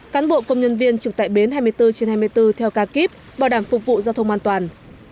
cán bộ công nhân viên trực tại bến hai mươi bốn trên hai mươi bốn theo ca kíp bảo đảm phục vụ giao thông an toàn